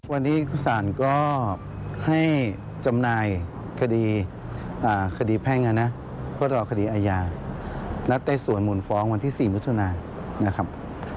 วันนี้ศาลก็ให้จำหน่ายคดีแพ่งนะเพื่อรอคดีอาญานัดไต่สวนหมุนฟ้องวันที่๔มิถุนายนะครับ